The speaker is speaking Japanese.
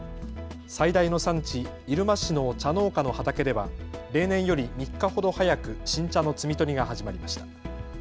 最大の産地、入間市の茶農家の畑では例年より３日ほど早く新茶の摘み取りが始まりました。